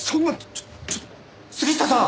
ちょちょっと杉下さん！